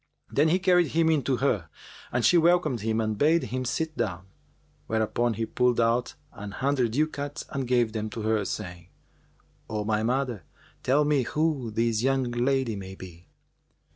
Then he carried him in to her and she welcomed him and bade him sit down; whereupon he pulled out an hundred ducats and gave them to her, saying, "O my mother, tell me who this young lady may be."